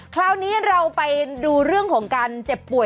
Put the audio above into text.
คราวนี้เราไปดูเรื่องของการเจ็บป่วย